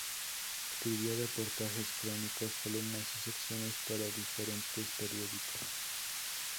Escribió reportajes, crónicas, columnas y secciones para diferentes periódicos.